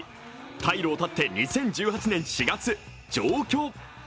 退路を断って２０１８年４月、上京。